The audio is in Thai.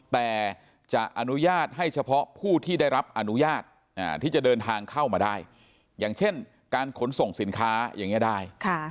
แต่จะอนุญาตให้เฉพาะผู้ที่ได้รับอนุญาตที่จะเดินทางเข้ามาได้อย่างเช่นการขนส่งสินค้าอย่างนี้ได้